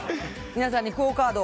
皆さんにクオ・カードを。